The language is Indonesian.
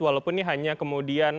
walaupun ini hanya kemudian